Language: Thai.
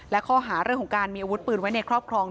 และข้อหาเรื่องของการมีอาวุธปืนไว้ในครอบครอง